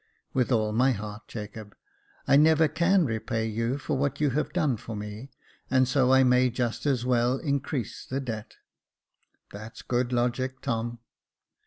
" With all my heart, Jacob. I never can repay you for what you have done for me, and so I may just as well increase the debt." That's good logic, Tom."